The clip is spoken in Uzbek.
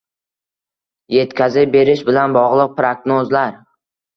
yetkazib berish bilan bog'liq prognozlar